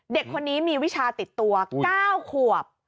เด็กคนนี้มีวิชาติดตัว๙ขวบ